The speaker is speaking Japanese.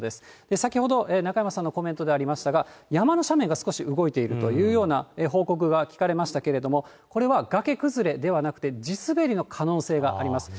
先ほど中山さんのコメントでありましたが、山の斜面が少し動いているというような報告が聞かれましたけど、これは崖崩れではなくて、地滑りの可能性があります。